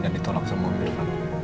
dan ditolak sama om irfan